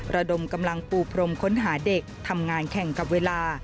ระดมกำลังปูพรมค้นหาเด็กทำงานแข่งกับเวลา